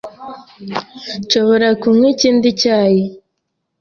Nshobora kunywa ikindi cyayi?